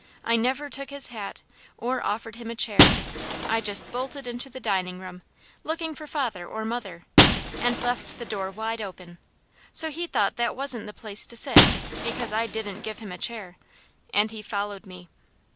I never took his hat, or offered him a chair; I just bolted into the dining room, looking for father or mother, and left the door wide open, so he thought that wasn't the place to sit, because I didn't give him a chair, and he followed me.